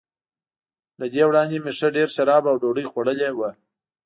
له دې وړاندي مې ښه ډېر شراب او ډوډۍ خوړلي وو.